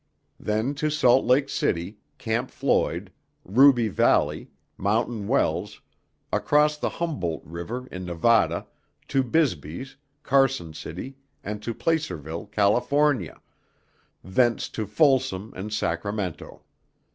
Then to Salt Lake City, Camp Floyd, Ruby Valley, Mountain Wells, across the Humboldt River in Nevada to Bisbys', Carson City, and to Placerville, California; thence to Folsom and Sacramento.